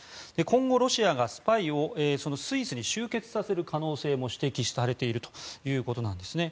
今後、ロシアがスパイをスイスに集結させる可能性も指摘されているということなんですね。